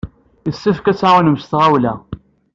Yessefk ad t-tɛawnem s tɣawla!